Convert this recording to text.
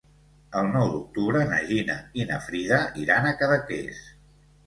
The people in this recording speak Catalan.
El nou d'octubre na Gina i na Frida iran a Cadaqués.